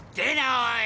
おい。